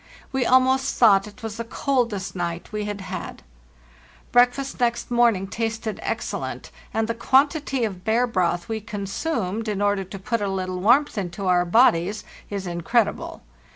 We almost thought it was the coldest night we had had. Breakfast next morning tasted excellent, and the quantity of bear broth we consumed in order to put a little warmth into our bodies is incredible.